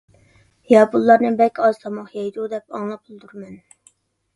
ياپونلارنى بەك ئاز تاماق يەيدۇ دەپ ئاڭلاپلا تۇرىمەن.